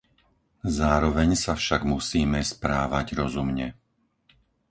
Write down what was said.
Zároveň sa však musíme správať rozumne.